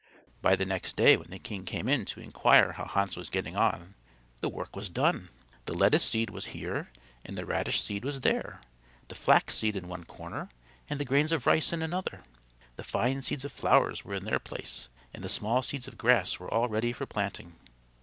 By the next day when the king came in to inquire how Hans was getting on, the work was done. The lettuce seed was here and the radish seed was there, the flax seed in one corner, and the grains of rice in another; the fine seeds of flowers were in their place and the small seeds of grass were all ready for planting.